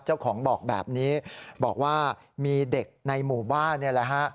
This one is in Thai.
เจ้าของบอกแบบนี้บอกว่ามีเด็กในหมู่บ้านนี่แหละฮะ